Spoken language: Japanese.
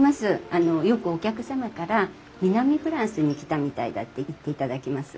あのよくお客様から「南フランスに来たみたいだ」って言っていただけます。